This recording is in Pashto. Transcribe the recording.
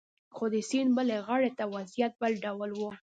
خو د سیند بلې غاړې ته وضعیت بل ډول و